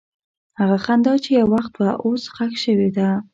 هغه خندا چې یو وخت وه، اوس ښخ شوې ده.